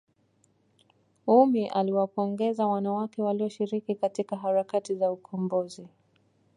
ummy aliwapongeza wanawake waliyoshiriki katika harakati za ukombozi